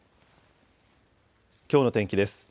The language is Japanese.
きょうの天気です。